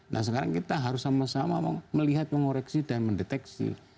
nah sekarang kita harus sama sama melihat mengoreksi dan mendeteksi